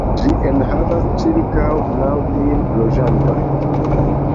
Ĝi enhavas ĉirkaŭ naŭ mil loĝantojn.